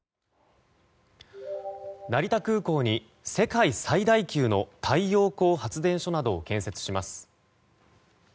成田空港に世界最大級の太陽光発電所などを建設します。